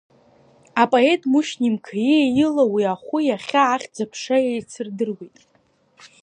Апоет Мушьни Мқаииа ила уи ахәы иахьа ахьӡ-аԥша еицырдыруеит.